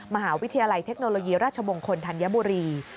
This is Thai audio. มหาวิทยาลัยเทคโนโลยีราชมงคลธัญบุรี